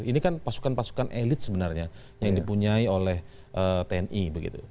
ini kan pasukan pasukan elit sebenarnya yang dipunyai oleh tni begitu